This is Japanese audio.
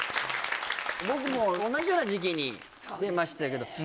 僕も同じような時期に出ましたがそうですね